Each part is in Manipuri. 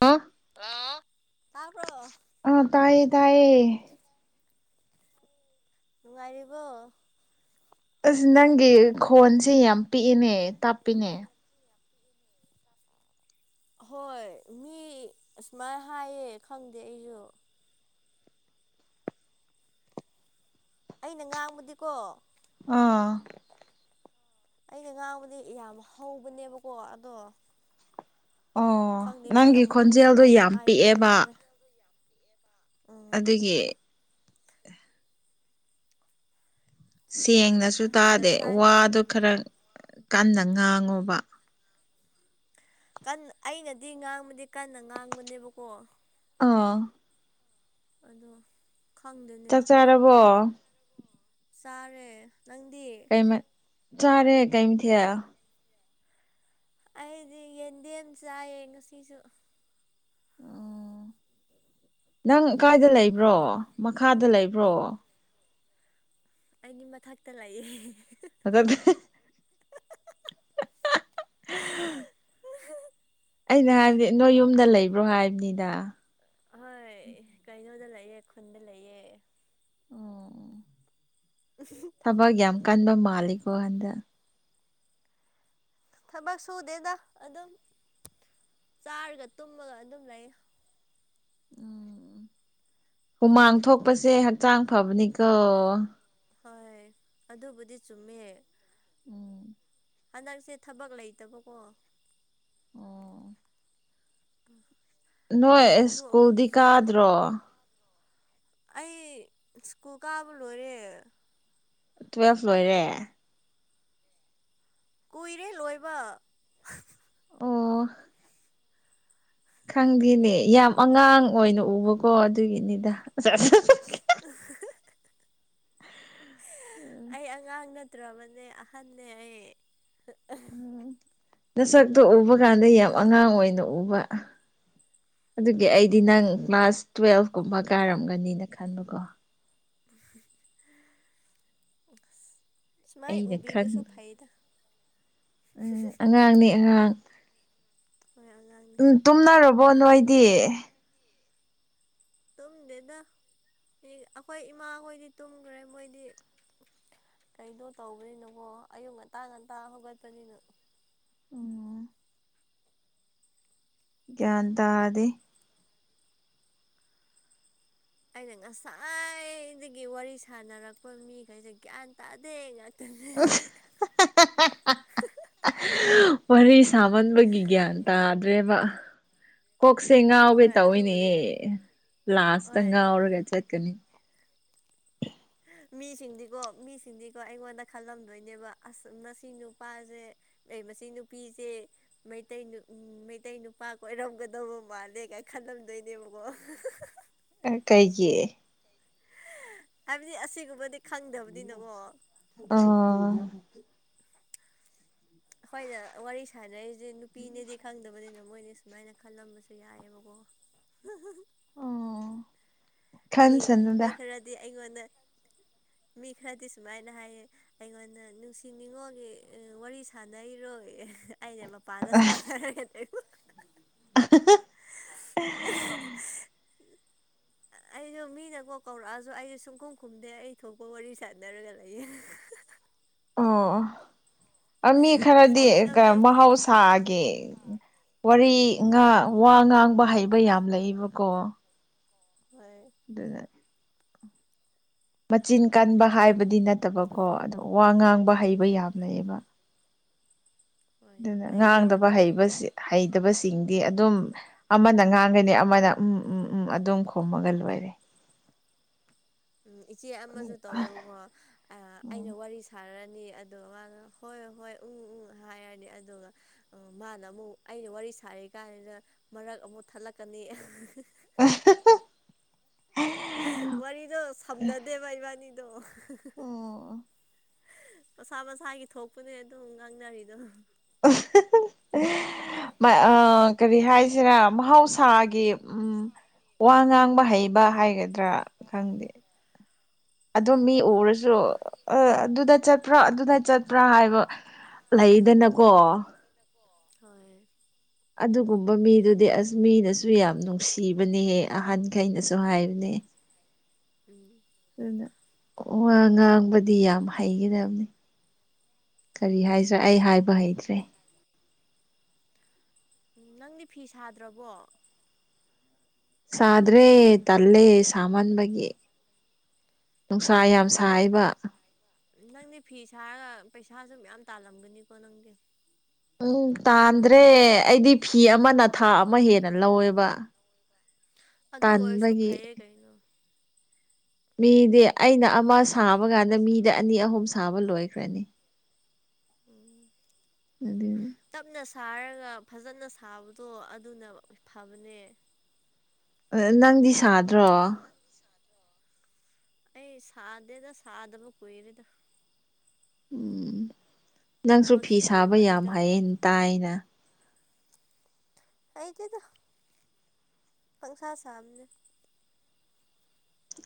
ꯑ ꯑ ꯑ ꯇꯌꯦ ꯇꯌꯦ ꯅꯨꯡꯉꯥꯏꯔꯤꯕꯔꯤꯕꯣ ꯑꯁ ꯅꯪꯒꯤ ꯈꯣꯟꯁꯦ ꯌꯥꯝ ꯄꯤꯛꯏꯅꯦ ꯇꯥꯛꯞꯄꯤꯅꯦ ꯍꯣꯏ ꯃꯤ ꯑꯁꯨꯃꯥꯏꯅ ꯍꯥꯏꯌꯦ ꯈꯪꯗꯦ ꯑꯩꯁꯨ ꯑꯩꯅ ꯉꯥꯡꯕꯨꯗꯤꯀꯣ ꯑꯥ ꯑꯩꯩꯅ ꯉꯥꯡꯕꯗꯤ ꯌꯥꯝ ꯍꯧꯕꯅꯦꯕꯀꯣ ꯑꯗꯣ ꯑꯣ ꯈꯪꯗꯦ ꯃꯤ ꯅꯪꯒꯤ ꯑꯃꯨꯛꯃꯨꯛ ꯈꯣꯟꯖꯦꯜꯗꯣ ꯁꯨꯃꯥꯏꯅ ꯌꯥꯝ ꯍꯥꯏꯕꯁꯨ ꯄꯤꯛꯑꯦꯕ ꯌꯥꯎꯋꯦ ꯎꯝ ꯑꯗꯨꯒꯤ ꯁꯦꯡꯅꯁꯨ ꯇꯥꯗꯦ ꯉꯁꯥꯏ ꯋꯥꯗꯣ ꯈꯔ ꯀꯟꯅ ꯉꯥꯡꯉꯣꯕ ꯀ ꯑꯩꯅꯗꯤ ꯉꯥꯡꯕꯗꯤ ꯀꯟꯅ ꯉꯥꯡꯕꯅꯦꯕꯀꯣ ꯑꯥ ꯑꯗꯣ ꯈꯪꯗꯦꯅꯦ ꯆꯥ ꯆꯥꯔꯕꯣ ꯆꯥꯔꯦ ꯅꯪꯗꯤ ꯆꯔꯦ ꯀꯩ ꯊꯌꯥ ꯑꯩꯗꯤ ꯌꯦꯟꯗꯦꯝꯦꯝ ꯆꯥꯏꯌꯦ ꯉꯁꯤꯁꯨ [inaudible] ꯅꯪ ꯀꯀꯥꯏꯗ ꯂꯩꯕ꯭ꯔꯣ ꯃꯈꯥꯗ ꯂꯩꯕ꯭ꯔꯣ ꯑꯩꯅꯤ ꯃꯊꯛꯇ ꯂꯥꯛꯑꯦ ꯑ ꯑꯗꯨ [inaudible] [inaudible] ꯑꯩꯅ ꯍꯥꯏꯕꯗꯤ ꯅꯣꯏ ꯌꯨꯝꯗ ꯂꯩꯕ꯭ꯔꯣ ꯍꯥꯏꯕꯅꯤꯗ ꯍꯣꯏ ꯀꯩꯅꯣꯗ ꯂꯩꯑꯦ ꯈꯨꯟꯗ ꯂꯩꯌꯦꯦ ꯑꯣ ꯊꯕꯛ ꯌꯥꯝ ꯀꯟꯕ ꯃꯥꯜꯂꯤꯀꯣ ꯍꯟꯗꯛ ꯊꯕꯛ ꯁꯨꯗꯦꯗ ꯑꯗꯨꯝ ꯆꯥꯔꯒ ꯇꯨꯝꯃꯒ ꯑꯗꯨꯝ ꯂꯩ ꯎꯝ ꯍꯨꯃꯥꯡ ꯊꯣꯛꯄꯁꯦ ꯍꯛꯆꯥꯡ ꯐꯕꯅꯤꯀꯣ ꯍꯣꯏ ꯑꯗꯨꯕꯨꯗꯤ ꯆꯨꯝꯃꯦ ꯎꯝ ꯍꯟꯗꯛꯁꯦ ꯊꯕꯛ ꯂꯩꯇꯕꯀꯣ ꯑꯣ ꯅꯣꯏ ꯅꯣꯡꯁꯨ ꯑꯃꯨꯛ ꯁ꯭ꯀꯨꯜꯗꯤ ꯀꯥꯗ꯭ꯔꯣ ꯑꯩ ꯁ꯭ꯀꯨꯜ ꯀꯥꯕ ꯂꯣꯏꯔꯦ ꯇꯨꯋꯦꯜꯐ ꯂꯣꯏꯔꯦ ꯀꯨꯏꯔꯦ ꯂꯣꯏꯕ ꯑꯣ ꯈꯪꯗꯦꯅꯦ ꯌꯥꯝ ꯑꯉꯥꯡ ꯑꯣꯏꯅ ꯎꯕꯀꯣ ꯑꯗꯨꯒꯤꯅꯤꯗ ꯑꯁ ꯑꯩ ꯑꯉꯥꯡꯅ ꯠꯇ꯭ꯔꯕꯅꯦ ꯑꯍꯟꯅꯦ ꯑꯩ ꯎꯝ ꯅꯁꯛꯇꯣ ꯎꯕ ꯀꯥꯟꯗ ꯌꯥꯝ ꯑꯉꯥꯡ ꯑꯣꯏꯅ ꯎꯕ ꯑꯗꯨꯒꯤ ꯑꯩꯗꯤ ꯑꯣ ꯅꯪ ꯀ꯭ꯂꯥꯁ ꯇꯨꯋꯦꯜꯐ ꯀꯨꯝꯕ ꯀꯥꯏꯔꯝꯒꯅꯤꯅ ꯈꯟꯕꯀꯣ [inaudible] ꯑꯩꯅ ꯈꯪ ꯎꯕꯤꯕꯁꯨ ꯐꯩꯗ ꯎ ꯑꯉꯥꯡꯅꯦ ꯑꯉꯥꯡ ꯍꯣꯏ ꯑꯉꯥꯡꯅꯦ ꯎꯝ ꯇꯨꯝꯅꯔꯕꯣ ꯅꯣꯏꯗꯤ ꯇꯝ ꯗꯦꯗ ꯑꯩꯈꯣꯏ ꯏꯃꯥꯈꯣꯏꯗꯤ ꯇꯨꯝꯈ꯭ꯔꯦ ꯃꯣꯏꯗꯤ ꯀꯩꯗꯣ ꯇꯧꯕꯔꯤꯅꯣꯕꯣ ꯑꯌꯨꯛ ꯉꯟꯇꯥ ꯉꯟꯇꯥ ꯍꯧꯒꯠꯄꯅꯤꯅ ꯑꯣ ꯀꯗꯗ ꯑꯩꯅ ꯉꯁꯥꯏꯗꯒꯤ ꯋꯥꯔꯤ ꯁꯥꯟꯅꯔꯛꯄ ꯃꯤꯈꯩꯁꯦ ꯒ꯭ꯌꯥꯟ ꯇꯥꯗꯦ ꯉ ꯎ ꯋꯥꯔꯤ ꯁꯥꯃꯟꯕꯒꯤ ꯒ꯭ꯌꯥꯟ ꯇꯥꯗ꯭ꯔꯦꯕ ꯀꯣꯛꯁꯦ ꯉꯥꯎꯒꯦ ꯍꯣꯏ ꯇꯧꯤꯅꯦ ꯑꯗꯨꯕꯨꯗꯤ ꯂꯥꯁꯇ ꯍꯣꯏ ꯉꯥꯎꯔꯒ ꯆꯠꯀꯅꯤ ꯃꯤꯁꯤꯡꯗꯤꯀꯣ ꯃꯤꯁꯤꯡꯗꯤꯀꯣ ꯑꯩꯉꯣꯟꯗ ꯈꯜꯂꯝꯗꯣꯏꯅꯦꯕ ꯑꯁ ꯉꯁꯤ ꯅꯨꯄꯥꯁꯦ ꯃꯁꯤ ꯅꯨꯄꯤꯁꯦ ꯃꯩꯇꯩ ꯎ ꯃꯩꯇꯩ ꯅꯨꯄꯥ ꯀꯣꯏꯔꯝꯒꯗꯧꯕ ꯃꯥꯜꯂꯦ ꯀꯥꯏ ꯈꯜꯂꯝ ꯑꯗꯨꯗꯣꯏꯅꯦꯕꯀꯣ ꯑ ꯀꯩ ꯀꯦ ꯍꯥꯏꯕꯗꯤ ꯑꯁꯤꯒꯕꯨꯗꯤ ꯑ ꯍꯣꯏꯅ ꯋꯥꯔꯤ ꯁꯥꯟꯅꯔꯤꯁꯦ ꯅꯨꯄꯤꯅꯦꯗꯤ ꯈꯪꯗꯕꯅꯤꯅꯣ ꯃꯣꯏꯅꯤ ꯁꯨꯃꯥꯏꯅ ꯈꯜꯂꯝꯕꯁꯨ ꯌꯥꯏꯑꯕꯀꯣ ꯑꯣ ꯃꯤ ꯃꯤ ꯈꯟꯁꯅꯨꯗ ꯈꯔꯗꯤ ꯑꯩꯉꯣꯟꯗ ꯃꯤ ꯈꯔꯗꯤ ꯁꯨꯃꯥꯏꯅ ꯍꯥꯏꯌꯦ ꯑꯩꯉꯣꯟꯗ ꯅꯨꯡꯁꯤ ꯅꯤꯉꯣꯟꯜꯒꯤ ꯋꯥꯔꯤ ꯁꯥꯟꯅꯩꯔꯣ ꯑꯩꯁ ꯃꯄꯥꯟꯗ ꯁꯥꯟꯅꯔꯦ [unintelligible] ꯑꯩꯗꯣ ꯃꯤꯅꯀꯣ ꯀꯧꯔꯛꯑꯁꯨ ꯑꯩꯁ ꯁꯨꯡꯈꯣꯡ ꯈꯨꯝꯗꯦ ꯑꯩ ꯊꯣꯛꯄ ꯋꯥꯔꯤ ꯁꯥꯟꯅꯔꯒ ꯂꯩꯌꯦ ꯑꯣ ꯃꯤ ꯈꯔꯗꯤ ꯁꯥꯎꯅꯤꯡꯉꯝꯗꯣꯏꯅꯦ ꯃꯍꯧꯁꯥꯒꯤ ꯋꯥꯔꯤ ꯥ ꯋꯥ ꯉꯥꯡꯕ ꯍꯩꯕ ꯌꯥꯝ ꯂꯩꯕꯀꯣ ꯍ ꯑꯗꯨ ꯌꯥꯔꯦ ꯃꯆꯤꯟ ꯀꯟꯕ ꯍꯥꯏꯕꯗꯤ ꯅꯠꯇꯕꯀꯣ ꯑꯗꯨ ꯋꯥ ꯉꯥꯡꯕ ꯍꯩꯕ ꯌꯥꯝꯅꯩꯌꯦꯕ ꯌꯥꯕ ꯍꯣꯏ ꯑꯗꯨꯅ ꯂꯩꯌꯦ ꯉꯥꯡꯗꯕ ꯍꯩꯕꯁꯦ ꯍꯩꯇꯕꯁꯤꯡꯗꯤ ꯑꯗꯨꯝ ꯑꯃꯅ ꯉꯥꯡꯒꯅꯤ ꯑꯃꯅ ꯎꯝ ꯎꯝ ꯎꯝ ꯑꯗꯨꯝ ꯈꯣꯝꯃꯒ ꯂꯣꯏ ꯦ ꯎꯝ ꯏꯆꯦ ꯑꯃꯁꯨ ꯇꯧꯋꯦꯕꯀꯣ ꯑꯩꯅ ꯎꯝ ꯋꯥꯔꯤ ꯁꯥꯔ ꯑꯗꯨꯒ ꯃꯥꯅ ꯍꯣꯏ ꯍꯣꯏ ꯎꯝ ꯎꯝ ꯍꯥꯏꯔꯅꯤ ꯑꯗꯨꯒ ꯃꯥꯅ ꯑꯃꯨꯛ ꯑꯩꯅ ꯋꯥꯔꯤ ꯁꯥꯔꯤ ꯀꯥꯏꯅ ꯃꯔꯛ ꯑꯃꯨꯛ ꯊꯠꯂꯛꯀꯅꯤ ꯑ ꯃꯔꯤꯗ ꯁꯅꯗꯦ ꯄꯥꯏꯕꯥꯅꯤ ꯃꯁꯥ ꯃꯁꯥꯒꯤ ꯊꯣꯛꯄꯅꯦ ꯑꯗꯨꯝ ꯉꯥꯡꯅꯔꯤ ꯑꯗꯨꯝ [unintelligible] ꯑ ꯀꯔꯤ ꯍꯥꯏꯁꯤꯔ ꯃꯍꯧꯁꯥꯒꯤ ꯎꯝ ꯋꯥ ꯉꯥꯡꯕ ꯍꯩꯕ ꯍꯥꯏꯒꯗ꯭ꯔꯥ ꯈꯪꯗꯦ ꯑꯗꯨꯣꯝ ꯃꯤ ꯎꯔꯁꯨ ꯑꯗꯨꯗ ꯆꯠꯄ꯭ꯔꯥ ꯑꯗꯨꯗ ꯆꯠꯄ꯭ꯔꯥ ꯍꯥꯏꯕ ꯂꯩꯗꯅꯀꯣ ꯍꯣꯏ ꯑꯗꯨꯒꯨꯝꯕ ꯃꯤꯗꯨꯗꯤ ꯑꯁ ꯃꯤꯅꯁꯨ ꯌꯥꯝ ꯅꯨꯡꯁꯤꯕꯅꯦꯍꯦ ꯑꯍꯟꯈꯩꯅꯁꯨ ꯍꯥꯏꯕꯅꯦ ꯎ ꯎꯝ ꯑꯗꯨꯅ ꯋꯥ ꯉꯥꯡꯕꯗꯤ ꯌꯥꯝ ꯍꯩꯒꯗꯕꯅꯤ ꯀꯔꯤ ꯍꯥꯏꯗ꯭ꯔꯥ ꯑꯩ ꯍꯥꯏꯕ ꯍꯩꯇ꯭ꯔꯦ ꯎꯝ ꯅꯪꯗꯤ ꯐꯤ ꯁꯥꯗ꯭ꯔꯕꯣ ꯁꯥꯗ꯭ꯔꯦ ꯇꯂꯦ ꯁꯃꯥꯟꯕꯒꯤ ꯅꯨꯡꯁꯥ ꯑꯁ ꯌꯥꯝ ꯅꯪꯗꯤ ꯄꯩꯁꯥ ꯁꯥꯏꯕ ꯅꯪꯗꯤ ꯐꯤ ꯁꯥꯔꯒ ꯄꯩꯁꯥꯁꯨ ꯃꯌꯥꯝ ꯇꯥꯜꯂꯝꯒꯅꯤꯀꯣ ꯅꯪꯗꯤ ꯎꯝ ꯇꯥꯟꯗ꯭ꯔꯦ ꯑꯩꯗꯤ ꯐꯤ ꯑꯃꯅ ꯊꯥ ꯑꯃ ꯍꯦꯟꯅ ꯂꯧꯋꯦꯕ ꯑꯗꯨ ꯑꯣꯏꯔꯁꯨ ꯇꯟꯕꯒꯤ ꯐꯩꯌꯦ ꯀꯩꯅꯣ ꯃꯤꯗꯤ ꯑꯩꯅ ꯑꯃ ꯁꯥꯕ ꯀꯥꯟꯗ ꯃꯤꯗ ꯑꯅꯤ ꯑꯍꯨꯝ ꯁꯥꯕ ꯂꯣꯏꯈ꯭ꯔꯅꯤ ꯎꯝ ꯑꯗꯨꯗꯅꯦ ꯇꯞꯅ ꯁꯥꯔꯒ ꯐꯖꯅ ꯁꯥꯕꯗꯣ ꯑꯗꯨꯅ ꯐꯕꯅꯦ ꯅꯪꯗꯤ ꯁꯥꯗ꯭ꯔꯣ ꯑꯩ ꯁꯥꯗꯦꯗ ꯁꯥꯗꯕ ꯀꯨꯏꯔꯦꯗ ꯎꯝ ꯅꯪꯁꯨ ꯊꯕꯛ ꯐꯤ ꯁꯥꯕ ꯆꯤꯜꯂꯦꯕ ꯌꯥꯝ ꯑꯩꯗꯣ ꯍꯥꯏꯌꯦꯅ ꯇꯥꯏꯅ ꯑꯩꯇꯦꯗ ꯄꯪꯁꯥ ꯁꯥꯕꯅꯦ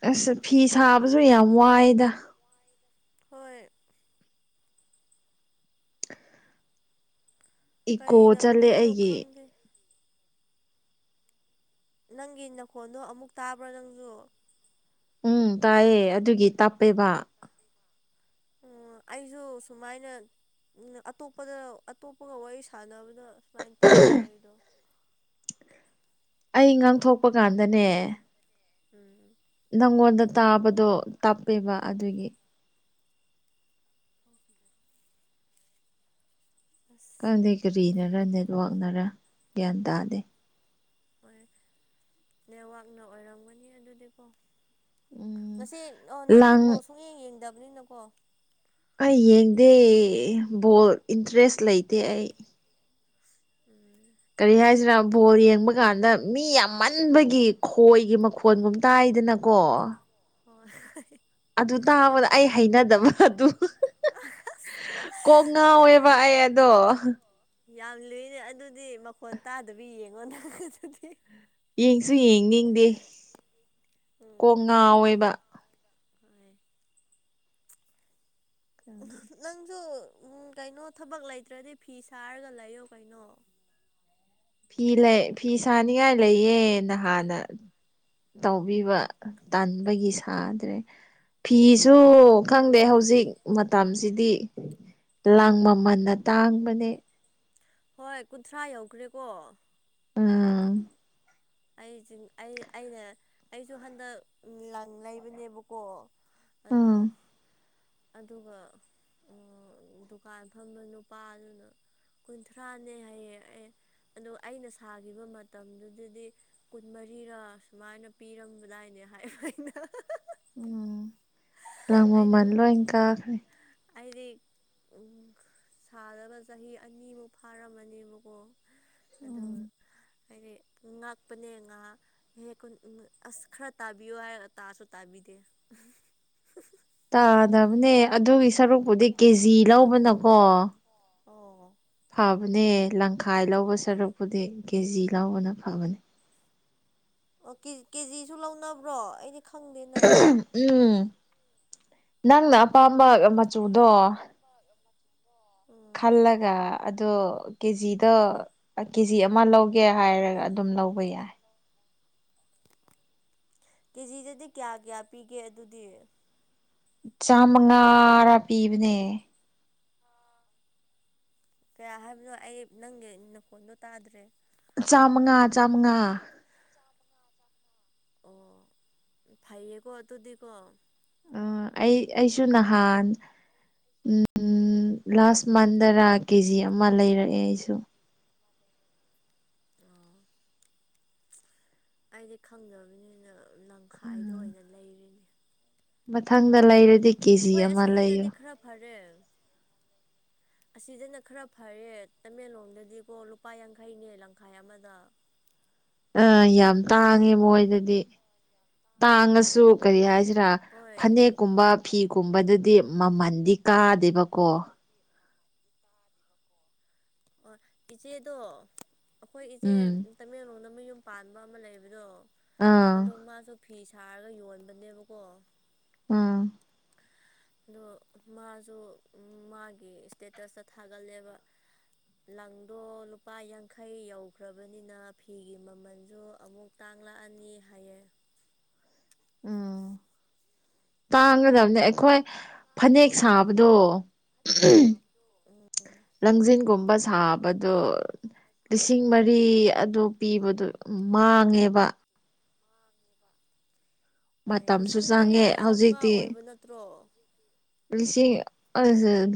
ꯑꯁ ꯐꯤ ꯁꯥꯕꯁꯨ ꯌꯥꯝ ꯋꯥꯏꯗ ꯍꯣꯏ ꯏꯀꯣ ꯆꯠꯂꯦ ꯀꯩꯗꯧꯗꯣꯏꯅꯣ ꯑꯩꯒꯤ ꯈꯪꯗꯦ ꯅꯪꯒꯤ ꯅꯈꯣꯟꯗꯣ ꯑꯃꯨꯛ ꯇꯥꯕ꯭ꯔꯣ ꯅꯪꯁꯨ ꯎꯝ ꯇꯥꯏꯌꯦ ꯑꯗꯨꯒꯤ ꯇꯞꯄꯦꯕ ꯑꯣ ꯑꯩꯁꯨ ꯁꯨꯃꯥꯏꯅ ꯑꯇꯣꯞꯄꯗ ꯑꯇꯣꯞꯄꯒ ꯋꯥꯔꯤ ꯁꯥꯟꯅꯕ ꯑꯗ ꯁꯨꯃꯥꯏꯅ ꯇꯧꯋꯦꯕꯔꯤꯗꯣ ꯑꯩ ꯉꯥꯡꯊꯣꯛꯄ ꯀꯥꯟꯗꯅꯦ ꯎꯝꯝ ꯅꯪꯉꯣꯟꯗ ꯇꯥꯕꯗꯣ ꯇꯞꯄꯦꯕ ꯑꯗꯨꯒꯤ ꯑꯁ ꯀꯪꯗꯦ ꯀꯔꯤꯅꯔ ꯅꯦꯠꯋꯥꯛꯅꯔ ꯒ꯭ꯌꯥꯟ ꯇꯥꯗꯦ ꯍꯣꯏ ꯅꯦꯋꯥꯛꯅ ꯑꯣꯏꯔꯝꯒꯅꯤ ꯑꯗꯨꯗꯤꯀꯣ ꯎꯝ ꯉꯁꯤ ꯅꯪꯗꯤ ꯂꯥꯡ ꯕꯣꯜ ꯁꯨꯡꯌꯦꯡ ꯌꯦꯡꯗꯕꯅꯤꯅꯀꯣ ꯑꯩ ꯌꯦꯡꯗꯦ ꯕꯣꯜ ꯏꯟꯇꯔꯦꯁ ꯂꯩꯇꯦ ꯑꯩ ꯎꯝ ꯀꯔꯤ ꯍꯥꯏꯁꯤꯔꯥ ꯕꯣꯜ ꯌꯦꯡꯕ ꯀꯥꯟꯗ ꯃꯤ ꯌꯥꯝ ꯃꯟꯕꯒꯤ ꯈꯣꯏꯒꯤ ꯃꯈꯣꯟꯒꯨꯝ ꯇꯥꯏ ꯍꯥꯏꯗꯅꯀꯣ ꯍ ꯑꯩ ꯍꯩꯅꯗꯕ ꯑꯗꯨ ꯀꯣꯛ ꯉꯥꯎꯋꯦꯕ ꯑꯩ ꯑꯗꯣ ꯌꯥꯝ ꯂꯨꯏꯅꯦ ꯑꯗꯨꯗꯤ ꯃꯈꯣꯟ ꯇꯥꯗꯕ ꯌꯦꯡꯉꯣ ꯅ ꯑꯗꯨꯗꯤ ꯌꯦꯡꯁꯨ ꯌꯦꯡꯅꯤꯡꯗꯦ ꯎꯝ ꯀꯣꯡ ꯉꯥꯎꯏꯕ ꯍꯣꯏ ꯀꯗꯤ ꯁꯨ ꯎ ꯀꯩꯅꯣ ꯊꯕꯛ ꯂꯩꯇ꯭ꯔꯗꯤ ꯐꯤ ꯁꯥꯔꯒ ꯂꯩꯌꯣ ꯀꯩꯅꯣ ꯐꯤ ꯂꯩ ꯐꯤ ꯁꯥꯅꯤꯡꯉꯥꯏ ꯂꯩꯌꯦ ꯅꯍꯥꯟꯅ ꯇꯧꯕꯤꯕ ꯇꯟꯥꯟꯕꯒꯤ ꯁꯥꯗ꯭ꯔꯦ ꯐꯤꯁꯨ ꯈꯪꯗꯦ ꯍꯧꯖꯤꯛ ꯃꯇꯝꯁꯤꯗꯤ ꯂꯥꯡ ꯃꯃꯟꯅ ꯇꯥꯡꯕꯅꯦ ꯍꯣꯏ ꯀꯨꯟꯊ꯭ꯔꯥ ꯌꯧꯈ꯭ꯔꯦꯀꯣ ꯑꯝ ꯑꯩꯁꯤꯡ ꯑꯩ ꯑꯩꯅ ꯑꯩꯁꯨ ꯍꯟꯗꯛ ꯂꯪ ꯂꯩꯕꯅꯦꯕꯀꯣ ꯑꯗꯣ ꯎꯝ ꯑꯗꯨꯒ ꯗꯨꯀꯥꯟ ꯐꯝꯕ ꯅꯨꯄꯥꯗꯨꯅ ꯀꯨꯟꯊ꯭ꯔꯥꯅꯦ ꯍꯥꯏꯌꯦ ꯑꯦ ꯑꯗꯨꯗꯣ ꯑꯩꯅ ꯁꯥꯈꯤꯕ ꯃꯇꯝꯗꯨꯗꯗꯤ ꯀꯨꯟꯃꯔꯤꯔ ꯁꯨꯃꯥꯏꯅ ꯄꯤꯔꯝꯕꯗꯥꯏꯅꯦ ꯍꯥꯏꯕ ꯑꯩꯅ ꯎꯝ ꯏ ꯑꯩꯅ ꯃꯃꯅꯤꯂ ꯀꯈ꯭ꯔꯦ ꯑꯩꯗꯤ ꯁꯥꯗꯕ ꯆꯍꯤ ꯑꯅꯤꯃꯨꯛ ꯐꯥꯔꯝꯃꯅꯦꯕꯀꯣ ꯑꯗꯣ ꯎꯝ ꯍꯥꯏꯗꯤ ꯉꯥꯛꯄꯅꯦ ꯉꯍꯥꯛꯦꯛꯨ ꯑꯁ ꯈꯔ ꯇꯥꯕꯤꯌꯨ ꯍꯥꯏꯔ ꯇꯥꯁꯨ ꯇꯥꯕꯤꯗ ꯇ ꯇꯥꯗꯕꯅꯦ ꯑꯗꯨꯒꯤ ꯁꯔꯨꯛꯄꯨꯗꯤ ꯀꯦꯖꯤ ꯂꯧꯕꯅꯀꯣ ꯑꯣ ꯐꯅꯦ ꯂꯪꯈꯥꯏ ꯂꯧꯕ ꯁꯔꯨꯛꯄꯨꯗꯤ ꯀꯦꯖꯤ ꯂꯧꯕꯅ ꯐꯕꯅꯦ ꯑꯣ ꯀꯦꯖꯤꯁꯨ ꯂꯧꯅꯕ꯭ꯔꯣ ꯑꯩꯗꯤ ꯈꯪꯗꯦꯅ ꯎꯝ ꯅꯪꯅ ꯑꯄꯥꯝꯕ ꯃꯆꯨꯗꯣ ꯎꯝ ꯈꯜꯂꯒ ꯑꯗꯣ ꯀꯦꯖꯤꯗ ꯀꯦꯖꯤ ꯑꯃ ꯂꯧꯒꯦ ꯍꯥꯏꯔꯒ ꯑꯗꯨꯝ ꯂꯧꯕ ꯌꯥꯏ ꯀꯦꯖꯤꯗꯗꯤ ꯀꯌꯥ ꯀꯌꯥ ꯄꯤꯒꯦ ꯑꯗꯨꯗꯤ ꯆꯥꯃ ꯉꯥꯔ ꯄꯤꯕꯅꯦ ꯀꯌꯥ ꯍꯥꯏꯕꯅꯣ ꯑꯩ ꯅꯪꯒꯤ ꯅꯈꯣꯟꯗꯣ ꯇꯥꯗ꯭ꯔꯦ ꯆꯃꯉꯥ ꯆꯃꯉꯥ ꯑꯣ ꯐꯩꯌꯦꯀꯣ ꯑꯗꯨꯗꯤꯀꯣ ꯑ ꯑꯩ ꯑꯩꯁꯨ ꯅꯍꯥꯟ ꯎꯝ ꯎꯝ ꯂꯥꯁ ꯃꯟꯗꯔꯥ ꯀꯦꯖꯤ ꯑꯃ ꯂꯩꯔꯛꯑꯦ ꯑꯩꯁꯨ ꯑꯣ ꯑꯩꯗꯤ ꯈꯪꯗꯕꯅꯤꯅ ꯂꯪꯈꯥꯏꯗ ꯎꯝ ꯑꯣꯏꯅ ꯂꯩꯔꯤꯅꯦ ꯃꯊꯪꯗ ꯂꯩꯔꯗꯤ ꯀꯦꯖꯤ ꯑꯩꯈꯣꯏ ꯑꯃ ꯂꯩꯌꯣ ꯑꯁꯤꯗꯅꯗꯤ ꯈꯔ ꯐꯔꯦ ꯑꯁꯤꯗꯅ ꯈꯔ ꯐꯔꯦ ꯇꯃꯦꯡꯂꯣꯡꯗꯗꯤꯀꯣ ꯂꯨꯄꯥ ꯌꯥꯡꯈꯩꯅꯦ ꯂꯝꯈꯥꯏ ꯑꯃꯗ [inaudible] ꯑ ꯌꯥꯝ ꯇꯥꯡꯉꯦ ꯃꯣꯏꯗꯗꯤ ꯇꯥꯡꯉꯁꯨ ꯀꯔꯤ ꯍꯥꯏꯁꯤꯅ ꯍꯣꯏ ꯐꯅꯦꯛꯀꯨꯝꯕ ꯐꯤꯒꯨꯝꯕꯗ ꯃꯃꯜꯗꯤ ꯀꯥꯗꯦꯕꯀꯣ ꯑꯣ ꯏꯆꯦꯗꯣ ꯑꯩꯈꯣꯏ ꯏꯆꯦ ꯎꯝ ꯇꯃꯦꯡꯂꯣꯡꯗ ꯃꯌꯨꯝ ꯄꯥꯟꯕ ꯑꯃ ꯂꯩꯕꯗꯣ ꯑꯥ ꯑꯣ ꯃꯥꯁꯨ ꯐꯤ ꯁꯥꯔꯒ ꯌꯣꯟꯕꯅꯦꯕꯀꯣ ꯑꯥ ꯑꯗꯣ ꯃꯥꯁꯨ ꯃꯥꯒꯤ ꯏꯁꯇꯦꯇꯁꯇ ꯊꯥꯒꯠꯂꯦꯕ ꯂꯪꯗꯣ ꯂꯨꯄꯥ ꯌꯥꯡꯈꯩ ꯌꯧꯈ꯭ꯔꯕꯅꯤꯅ ꯐꯤꯒꯤ ꯃꯃꯜꯁꯨ ꯑꯃꯨꯛ ꯐꯥꯡꯪꯂꯑꯅꯤ ꯍ ꯎꯝ ꯇꯥꯡꯒꯗꯕꯅꯦ ꯑꯩꯈꯣꯏ ꯐꯅꯦꯛ ꯁꯥꯕꯗꯣ ꯎꯝ ꯂꯪꯖꯤꯡꯟꯜꯒꯨꯝꯕ ꯁꯥꯞ ꯗꯣ ꯂꯤꯁꯤꯡ ꯃꯔꯤ ꯑꯗꯨ ꯄꯤꯕꯗꯣ ꯃꯥꯡꯉꯦꯕ [unintelligible] ꯍꯣꯏ ꯃꯇꯝꯁꯨ ꯂꯤꯁꯤꯡ ꯆꯪꯉꯦ ꯃꯔꯤꯒ ꯆꯥꯃꯉꯥ ꯍꯧꯖꯤꯛꯇꯤ ꯑꯣꯏꯕ ꯅꯠꯇ꯭ꯔꯣ ꯂꯤꯁꯤꯡ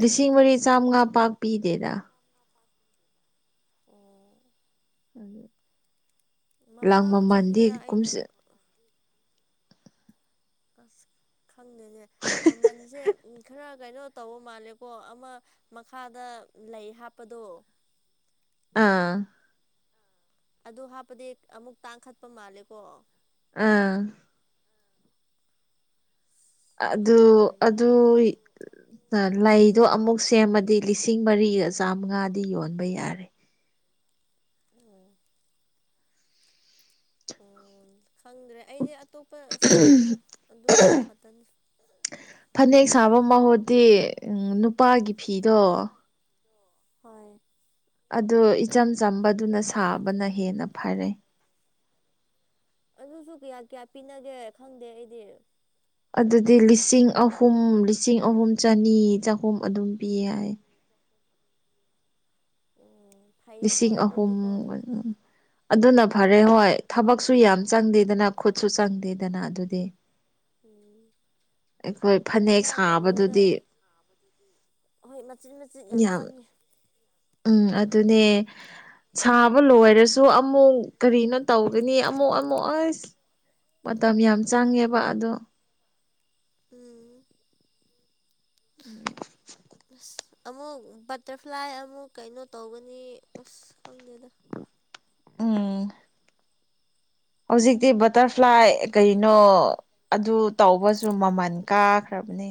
ꯂꯤꯁꯤꯡ ꯃꯔꯤ ꯆꯥꯝꯃꯉꯥ ꯄꯥꯛ ꯄꯤꯗꯦꯗ ꯎ ꯑꯗꯨ ꯃꯃꯥꯡ ꯆꯍꯤꯔ ꯑꯩꯅ ꯥꯁ ꯈꯪꯗꯦꯅꯦ ꯃꯃꯜꯁꯦ ꯈꯔ ꯀꯩꯅꯣ ꯇꯧꯕ ꯃꯥꯜꯂꯦꯀꯣ ꯑꯃ ꯃꯈꯥꯗ ꯂꯩ ꯍꯥꯞꯄꯗꯣ ꯑꯥ ꯑꯗꯨ ꯍꯥꯞꯄꯗꯤ ꯑꯃꯨꯛ ꯇꯥꯡꯈꯠꯄ ꯃꯥꯜꯂꯦꯀꯣ ꯑꯥ ꯑꯗꯨ ꯈꯪꯗ꯭ꯔꯦꯅꯦ ꯑꯗꯨ ꯂꯩꯗꯣ ꯑꯃꯨꯛ ꯁꯦꯝꯃꯗꯤ ꯂꯤꯁꯤꯡ ꯃꯔꯤꯒ ꯆꯥꯃꯉꯥꯗꯤ ꯌꯣꯟꯕ ꯌꯥꯔꯦ ꯑꯣ ꯑꯣꯟ ꯈꯪꯗ꯭ꯔꯦ ꯑꯩꯗꯤ ꯑꯇꯣꯞꯄ ꯁꯥꯗꯦꯅ ꯑꯗꯨꯒꯨꯝꯕ ꯈꯛꯇꯅꯤ ꯐꯅꯦꯛ ꯁꯥꯕ ꯃꯍꯨꯠꯇꯤ ꯎ ꯅꯨꯄꯥꯒꯤ ꯐꯤꯗꯣ ꯍꯣꯏ ꯑꯗꯨ ꯏꯆꯝ ꯆꯝꯕꯗꯨꯅ ꯁꯥꯕꯅ ꯍꯦꯟꯅ ꯐꯔꯦ ꯑꯗꯨꯁꯨ ꯀꯌꯥ ꯀꯌꯥ ꯄꯤꯅꯒꯦ ꯈꯪꯗꯦ ꯑꯩꯗꯤ ꯑꯗꯨꯗꯗꯤ ꯏ ꯂꯤ ꯂꯤꯁꯤꯡ ꯑꯍꯨꯝ ꯂꯤꯁꯤꯡ ꯑꯍꯨꯝ ꯆꯅꯤ ꯆꯍꯨꯝ ꯑꯗꯨꯝ ꯄꯤ ꯌꯥꯏ ꯎ ꯂꯤꯁꯤꯡ ꯑꯍꯨꯝ ꯑꯗꯨꯅ ꯐꯔꯦ ꯍꯣꯏ ꯊꯕꯛꯁꯨ ꯌꯥꯝ ꯆꯪꯗꯦꯗꯅ ꯈꯨꯠꯁꯨ ꯆꯪꯗꯦꯗꯅ ꯑꯗꯨꯗꯤ ꯎꯝ ꯑꯩꯣꯏ ꯑꯃ ꯀꯩꯅꯣꯗ ꯍꯣꯏ ꯃꯆꯤꯠ ꯃꯆꯤꯠ ꯌꯥꯝ ꯆꯪꯉꯦ ꯎꯝ ꯑꯗꯨ ꯑꯗꯨꯅꯦ ꯁꯥꯕ ꯂꯣꯏꯔꯁꯨ ꯑꯃꯨꯛ ꯀꯔꯤꯅꯣ ꯇꯧꯒꯅꯤ ꯑꯃꯨꯛ ꯑꯃꯨꯛ ꯑꯁ ꯃꯇꯝ ꯌꯥꯝ ꯆꯪꯉꯦꯕ ꯑꯗꯣ ꯎꯝ ꯎꯝ ꯑꯁ ꯑꯃꯨꯛ ꯕꯇꯔꯐ꯭ꯂꯥꯏ ꯑꯃꯨꯛ ꯀꯩꯅꯣ ꯇꯧꯒꯅꯤ ꯑꯁ ꯈꯪꯗꯦꯗ ꯎꯝ ꯍꯧꯖꯤꯛꯇꯤ ꯑ ꯕꯇꯔꯐ꯭ꯂꯥꯏ ꯀꯩꯅꯣ ꯑꯗꯨ ꯇꯧꯕꯁꯨ ꯃꯃꯜ ꯀꯥꯈ꯭ꯔꯕꯅꯦ